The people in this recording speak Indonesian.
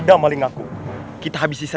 siapa yang queda